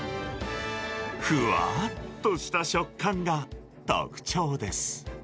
ふわーっとした食感が、特徴です。